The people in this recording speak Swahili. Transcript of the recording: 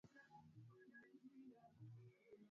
ningesema kwa jumla kwa wananchi aaa